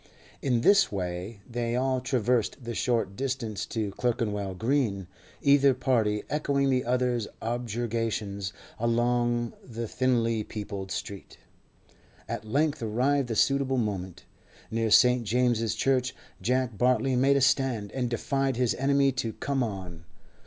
In this way they all traversed the short distance to Clerkenwell Green, either party echoing the other's objurgations along the thinly peopled streets. At length arrived the suitable moment. Near St. James's Church Jack Bartley made a stand, and defied his enemy to come on.